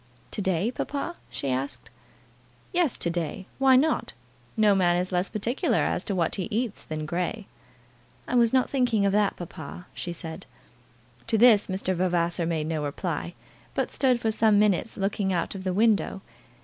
"To day, papa?" she asked. "Yes, to day. Why not? No man is less particular as to what he eats than Grey." "I was not thinking of that, papa," she said. To this Mr. Vavasor made no reply, but stood for some minutes looking out of the window.